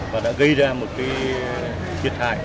và đã gây ra một cái thiệt hại